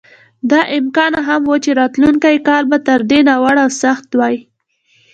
دا امکان هم و چې راتلونکی کال به تر دې ناوړه او سخت وای.